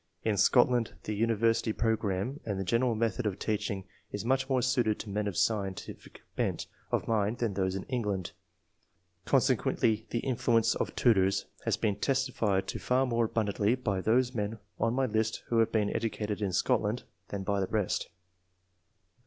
In Scotland the uni versity programme and the general method of teaching is much more suited to men of a scien tific bent of mind than those in England ; consequently the influence of tutors has been testified to far more abundantly by those men on my list who have been educated in Scotland than by the rest.